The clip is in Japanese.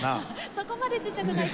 そこまでちっちゃくないと。